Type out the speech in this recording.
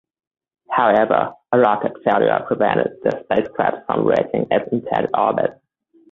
However, a rocket failure prevented the spacecraft from reaching its intended orbit.